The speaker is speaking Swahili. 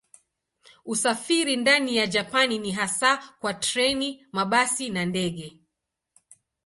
Usafiri ndani ya Japani ni hasa kwa treni, mabasi na ndege.